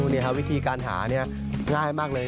นี่ครับวิธีการหานี่ง่ายมากเลย